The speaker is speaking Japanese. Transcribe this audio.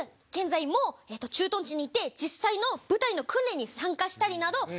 現在も駐屯地に行って実際の部隊の訓練に参加したりなど。